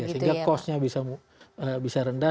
sehingga kosnya bisa rendah